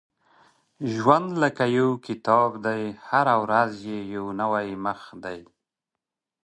• ژوند لکه یو کتاب دی، هره ورځ یې یو نوی مخ دی.